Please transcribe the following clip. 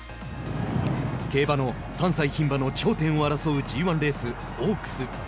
競馬の３歳ひん馬の頂点を争うＧ１レース、オークス。